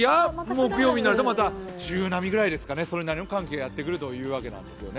木曜日になるとまた中波ぐらいですかね、それなりの寒気がやってくるというわけなんですよね。